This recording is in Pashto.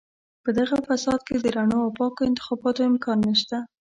په دغه فساد کې د رڼو او پاکو انتخاباتو امکانات نشته.